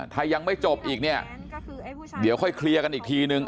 ถ้ายังไม่จบอีกเนี่ยเดี๋ยวค่อยเคลียร์กันอีกทีนึง